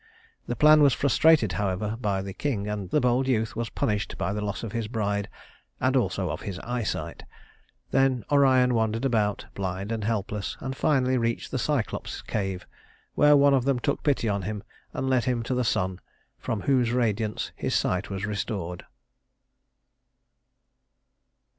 The plan was frustrated, however, by the king; and the bold youth was punished by the loss of his bride and also of his eyesight. Then Orion wandered about, blind and helpless, and finally reached the Cyclops' cave, where one of them took pity on him and led him to the sun, from whose radiance his sight was restored.